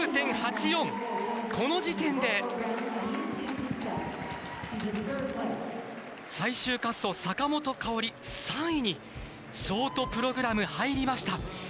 この時点で最終滑走、坂本花織３位にショートプログラム入りました。